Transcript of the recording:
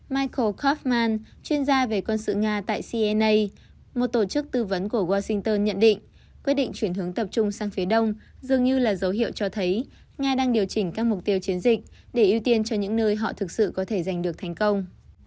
micro kafman chuyên gia về quân sự nga tại cnna một tổ chức tư vấn của washington nhận định quyết định chuyển hướng tập trung sang phía đông dường như là dấu hiệu cho thấy nga đang điều chỉnh các mục tiêu chiến dịch để ưu tiên cho những nơi họ thực sự có thể giành được thành công